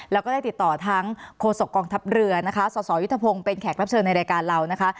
แล้วก็ได้ติดต่อทั้งโฆษกองทัพเรือนะคะสสยุทธพงศ์เป็นแขกรับเชิญในรายการเรานะคะ